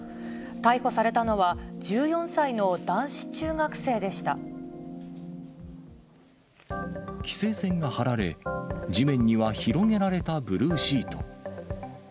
逮捕されたのは、規制線が張られ、地面には広げられたブルーシート。